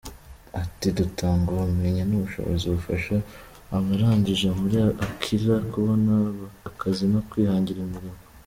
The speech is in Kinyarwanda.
Ati “ Dutanga ubumenyi n’ubushobozi bufasha abarangije muri Akilah kubona akazi no kwihangira imirimo.